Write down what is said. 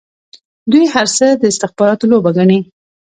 دوی هر څه د استخباراتو لوبه ګڼي.